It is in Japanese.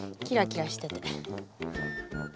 きらきらしてて。